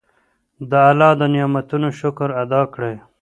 د الله د نعمتونو شکر ادا کړئ.